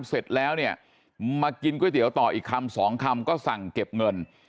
เสร็จแล้วเนี่ยมากินก๋วยเตี๋ยวต่ออีกคำสองคำก็สั่งเก็บเงิน